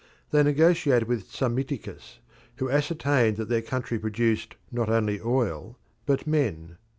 They negotiated with Psammiticus, who ascertained that their country produced not only oil but men.